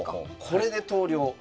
これで投了。